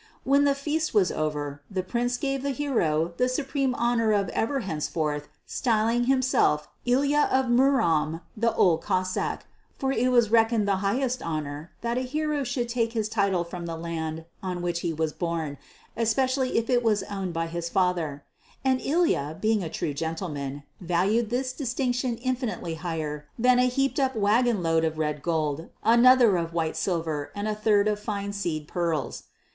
When the feast was over, the Prince gave the hero the supreme honour of ever henceforth styling himself Ilya of Murom the Old Cossáck, for it was reckoned the highest honour that a hero should take his title from the land on which he was born, especially if it was owned by his father; and Ilya, being a true gentleman, valued this distinction infinitely higher than a heaped up waggon load of red gold, another of white silver, and a third of fine seed pearls.